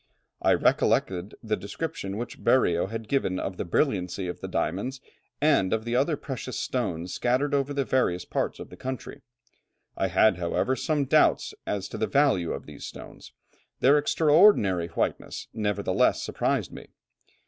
I recollected the description which Berreo had given of the brilliancy of the diamonds and of the other precious stones scattered over the various parts of the country. I had, however, some doubt as to the value of these stones; their extraordinary whiteness, nevertheless surprised me.